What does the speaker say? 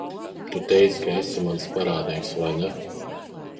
Tu teici, ka esi mans parādnieks, vai ne?